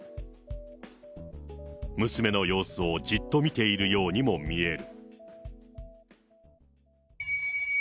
娘の様子をじっと見ているようにも見える。